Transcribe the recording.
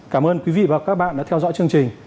cảm ơn quý vị và các bạn đã theo dõi chương trình